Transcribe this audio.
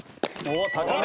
高め。